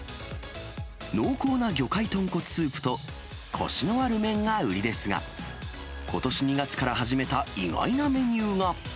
濃厚な魚介豚骨スープと、こしのある麺が売りですが、ことし２月から始めた意外なメニューが。